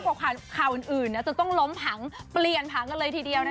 มากกว่าข่าวอื่นจะต้องล้มผังเปลี่ยนผังกันเลยทีเดียวนะคะ